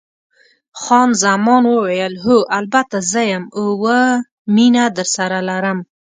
خان زمان وویل: هو، البته زه یم، اوه، مینه درسره لرم.